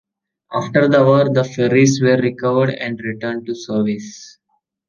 After the war, the ferries were recovered and returned to service.